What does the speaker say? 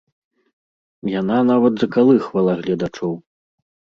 Яна нават закалыхвала гледачоў.